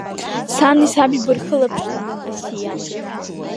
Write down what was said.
Сани саби бырхылаԥшла, Асиа.